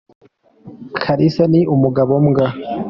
Kalisa ni umugabo mbwa!